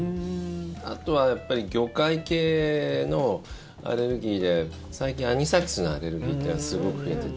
あとは、やっぱり魚介系のアレルギーで最近アニサキスのアレルギーってすごく増えていて。